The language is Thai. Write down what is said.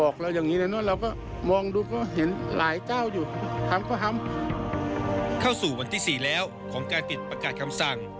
เข้าสู่วันที่๔แล้วของการติดประกาศคำสั่ง